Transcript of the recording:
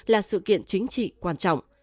là sự kiện chính trị quan trọng